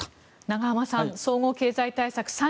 永濱さん、総合経済対策